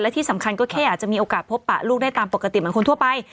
ที่สำคัญก็แค่อาจจะมีโอกาสพบปะลูกได้ตามปกติเหมือนคนทั่วไป